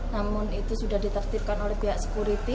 namun itu sudah ditertipkan oleh pihak security